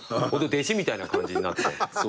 弟子みたいな感じになって。